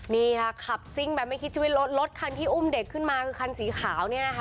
นี่ค่ะขับซิ่งแบบไม่คิดชีวิตรถรถคันที่อุ้มเด็กขึ้นมาคือคันสีขาวเนี่ยนะคะ